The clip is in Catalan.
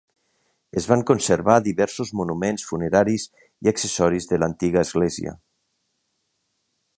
Es van conservar diversos monuments funeraris i accessoris de l'antiga església.